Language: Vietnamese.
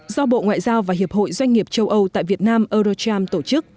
do bộ ngoại giao và hiệp hội doanh nghiệp châu âu tại việt nam eurocharm tổ chức